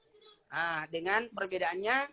nah dengan perbedaannya